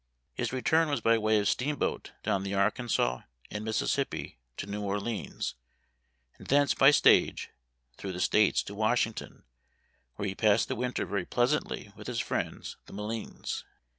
His return was by way of steamboat down the Arkansas and Mississippi to New Orleans, and thence, by stage, through the States to Washington, where he passed the winter very pleasantly with his friends the M' Leans.